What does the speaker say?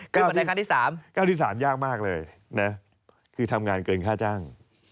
ขึ้นมาในข้าวที่๓เก้าที่๓ยากมากเลยนะคือทำงานเกินค่าจ้าง